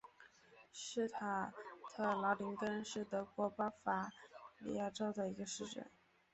施塔特劳林根是德国巴伐利亚州的一个市镇。